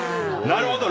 なるほど。